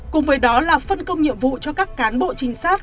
cùng với đó là phân công nhiệm vụ cho các cán bộ trinh sát